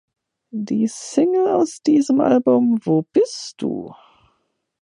Die Single aus diesem Album, "Wo bist du?